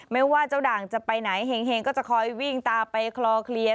ไม่ว่าเจ้าด่างจะไปไหนเห็งก็จะคอยวิ่งตามไปคลอเคลียร์